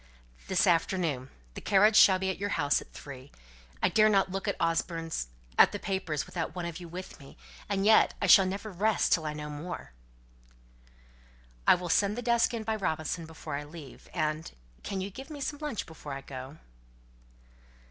"This afternoon; the carriage shall be at your house at three. I dare not look at Osborne's at the papers without one of you with me; and yet I shall never rest till I know more." "I'll send the desk in by Robinson before I leave. And can you give me some lunch before I go?"